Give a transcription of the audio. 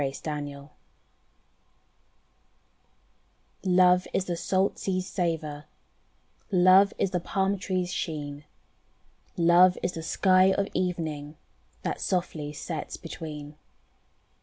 "Love's Horizon" Love is the salt sea's savour, Love is the palm tree's sheen, Love is the sky of evening. That softly sets between.